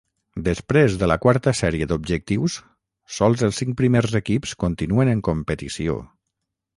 Després de la quarta sèrie d'objectius sols els cinc primers equips continuen en competició.